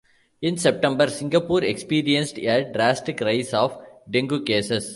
In September, Singapore experienced a drastic rise of dengue cases.